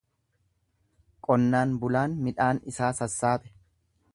Qonnaan bulaan midhaan isaa sassaabe.